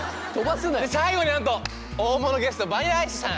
最後になんと大物ゲストバニラアイスさん！